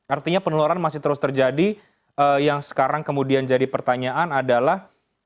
artinya penularan masih terus terjadi yang sekarang kemudian jadi pertanyaan adalah